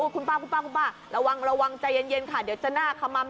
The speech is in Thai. คุณป้าระวังใจเย็นค่ะเดี๋ยวจะหน้าขมัม